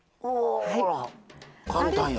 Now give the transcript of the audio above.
ほ簡単や。